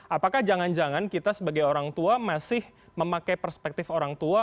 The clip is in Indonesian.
apakah jangan jangan kita sebagai orang tua masih memakai perspektif orang tua